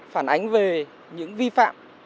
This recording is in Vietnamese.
phản ánh về những vi phạm